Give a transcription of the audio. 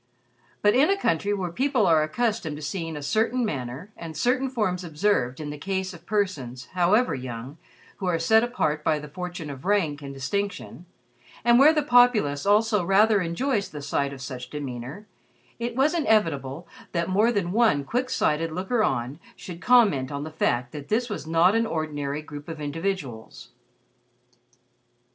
But in a country where people are accustomed to seeing a certain manner and certain forms observed in the case of persons however young who are set apart by the fortune of rank and distinction, and where the populace also rather enjoys the sight of such demeanor, it was inevitable that more than one quick sighted looker on should comment on the fact that this was not an ordinary group of individuals.